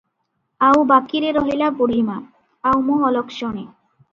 ଆଉ ବାକିରେ ରହିଲା ବଢ଼ୀମା, ଆଉ ମୁଁ ଅଲକ୍ଷଣୀ ।